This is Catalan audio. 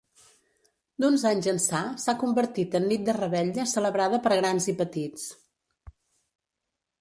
D'uns anys ençà s'ha convertit en nit de revetlla celebrada per grans i petits.